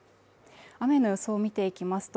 雨の予想を見ていきますと